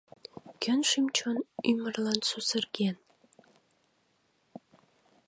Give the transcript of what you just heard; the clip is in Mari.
Кӧн шӱм-чон ӱмырлан сусырген?!